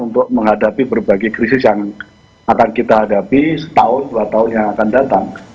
untuk menghadapi berbagai krisis yang akan kita hadapi setahun dua tahun yang akan datang